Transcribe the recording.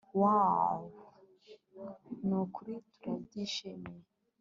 wooooww nukuri turabyishimiye